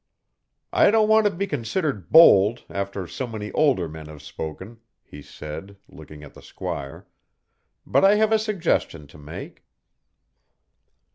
"I don't want to be considered bold after so many older men have spoken," he said, looking at the squire, "but I have a suggestion to make."